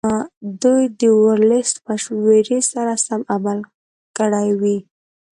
دوی د ورلسټ مشورې سره سم عمل کړی وي.